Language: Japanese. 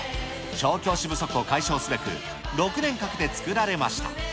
調教師不足を解消すべく、６年かけて作られました。